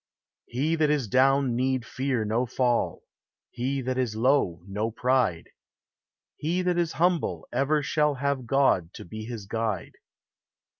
He that is down need fear no fall ; He that is low, no pride ; He that is humble ever shall Have God to be his guide.